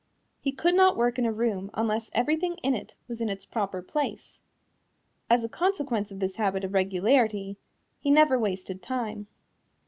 He could not work in a room unless everything in it was in its proper place. As a consequence of this habit of regularity, he never wasted time.